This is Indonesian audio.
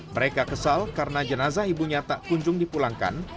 mereka kesal karena jenazah ibunya tak kunjung dipulangkan